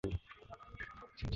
কথা বল।